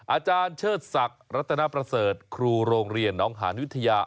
อาจารย์เชิดศักดิ์รัตนประเสริฐครูโรงเรียนน้องหานวิทยา